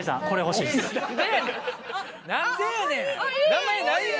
名前何や？